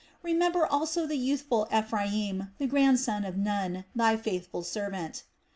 Remember also the youthful Ephraim, the grandson of Nun, Thy faithful servant."